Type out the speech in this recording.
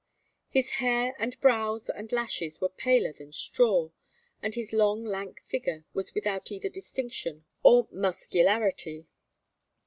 His hair and brows and lashes were paler than straw, and his long lank figure was without either distinction or muscularity.